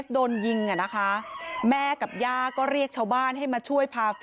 โดนยิงอ่ะนะคะแม่กับย่าก็เรียกชาวบ้านให้มาช่วยพาตัว